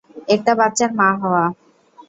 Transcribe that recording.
একটা বাচ্চার মা হওয়া!